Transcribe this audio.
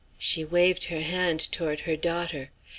She waved her hand toward her daughter.